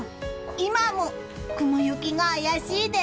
今も雲行きが怪しいです。